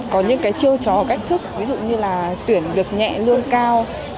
có những chiêu trò cách thức ví dụ như là tuyển được nhẹ lương cao